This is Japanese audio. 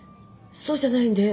そうじゃないんで。